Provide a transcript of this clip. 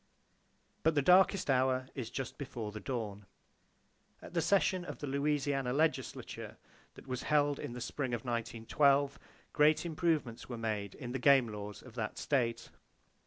But the darkest hour is just before the dawn. At the session of the Louisiana legislature that was held in the spring of 1912, great improvements were made in the game laws of that state.